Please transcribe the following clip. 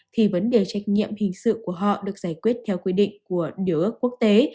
thì vấn đề trách nhiệm hình sự của họ được giải quyết theo quy định của điều ước quốc tế